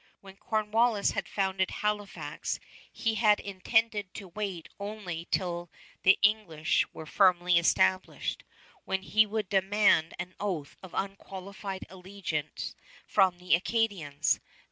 When Cornwallis had founded Halifax he had intended to wait only till the English were firmly established, when he would demand an oath of unqualified allegiance from the Acadians.